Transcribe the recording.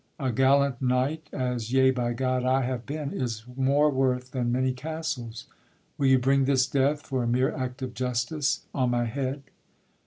a gallant knight, As (yea, by God!) I have been, is more worth Than many castles; will you bring this death, For a mere act of justice, on my head?